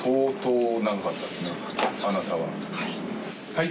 はい。